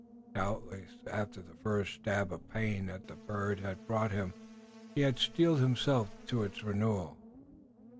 Doubtless after the first stab of pain that the bird had brought him he had steeled himself to its renewal.